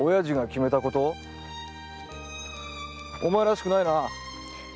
お前らしくないな。